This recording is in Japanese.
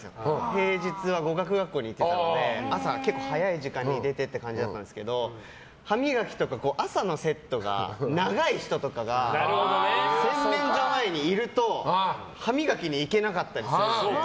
平日は語学学校に行ってたので朝、結構早い時間に出てっていう感じだったんですけど歯磨きとか朝のセットが長い人とかが洗面所前にいると歯磨きに行けなかったりするので。